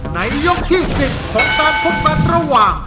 ในยกที่๑๐ของการพบกันระหว่าง